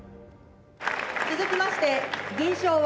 続きまして、銀賞は。